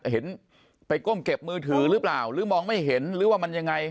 เห็นไปก้มเก็บมือถือหรือเปล่าหรือมองไม่เห็นหรือว่ามันยังไง